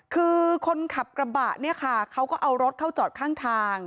คือคนขับกระบะเนี่ยค่ะเขาก็เอารถเข้าจอดข้างทาง